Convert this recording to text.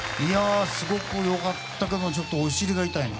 すごく良かったけどもお尻が痛いね。